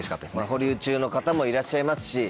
保留中の方もいらっしゃいますし